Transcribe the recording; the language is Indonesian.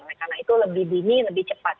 karena itu lebih dini lebih cepat